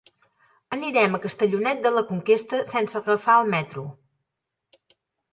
Anirem a Castellonet de la Conquesta sense agafar el metro.